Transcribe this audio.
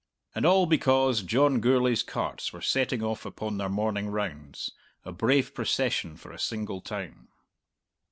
and all because John Gourlay's carts were setting off upon their morning rounds, a brave procession for a single town!